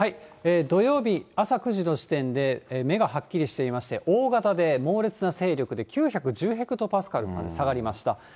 土曜日、朝９時の時点で目がはっきりしていまして、大型で猛烈な勢力で、９１０ヘクトパスカルまで下がりました。